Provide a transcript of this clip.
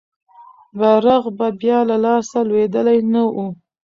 بیرغ به بیا له لاسه لوېدلی نه وو.